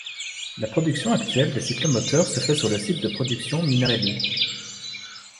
La production actuelle des cyclomoteurs se fait sur le site de production Minarelli.